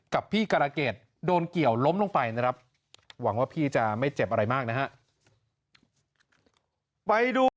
กับพี่การาเกดโดนเกี่ยวล้มลงไปนะครับหวังว่าพี่จะไม่เจ็บอะไรมากนะฮะ